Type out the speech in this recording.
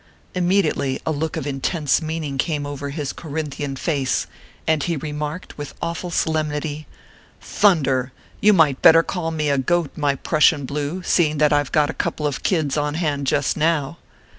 Immediately a look of intense meaning came over his Corinthian face, and he remarked, with awful solemnity :" Thunder ! you might better call me a goat, my Prushian blue, seeing that I ve got a couple of kids on hand just now."